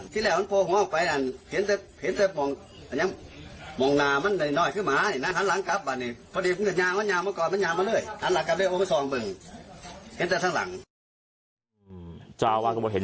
ต่อไปบอกคุณจะบ้าน